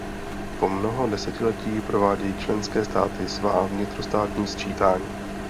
Po mnoho desetiletí provádějí členské státy svá vnitrostátní sčítání.